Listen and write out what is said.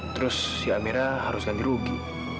terus si amira harus ganti rugi